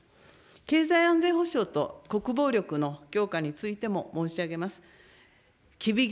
経済安全保障と国防力の強化についても申し上げます。